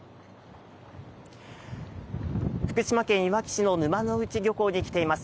福島県いわき市の沼ノ内漁港に来ています